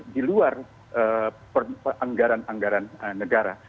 di luar anggaran anggaran negara